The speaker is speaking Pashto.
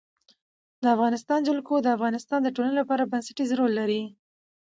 د افغانستان جلکو د افغانستان د ټولنې لپاره بنسټيز رول لري.